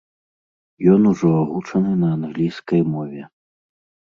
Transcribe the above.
Ён ужо агучаны на англійскай мове.